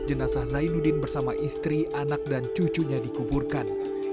jenazah zainuddin bersama istri anak dan cucunya dikuburkan